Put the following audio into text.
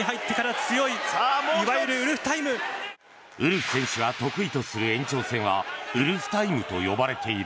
ウルフ選手が得意とする延長戦はウルフタイムと呼ばれている。